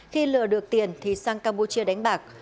khi lừa được tiền thì sang campuchia đánh bạc